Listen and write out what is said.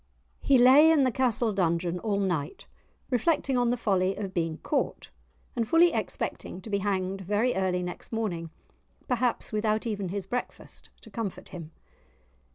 He lay in the castle dungeon all night, reflecting on the folly of being caught, and fully expecting to be hanged very early next morning, perhaps without even his breakfast to comfort him!